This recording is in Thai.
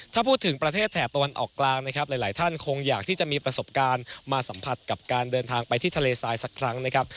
ถ้าพูดถึงประเทศแถบตะวันออกกลางนะครับหลายท่านคงอยากที่จะมีประสบการณ์มาสัมผัสกับการเดินทางไปที่ทะเลทรายสักครั้งนะครับ